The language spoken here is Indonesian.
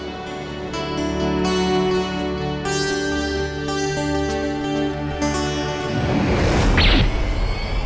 berikanlah senyuman itu kepada aku